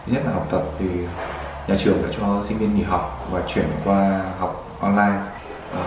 nhất là học tập thì nhà trường đã cho sinh viên nghỉ học và chuyển qua học online